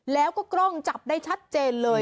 แล้วก็กล้องจับได้ชัดเจนเลย